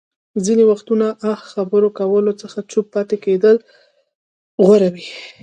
ځينې وختونه اه خبرو کولو څخه چوپ پاتې کېدل غوره وي.